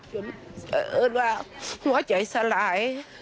จนเอิญว่าหัวใจสลาย